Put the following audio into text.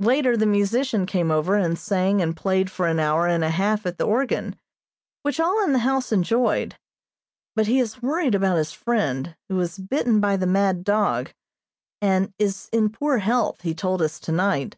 Later the musician came over and sang and played for an hour and a half at the organ, which all in the house enjoyed; but he is worried about his friend, who was bitten by the mad dog, and is in poor health, he told us tonight.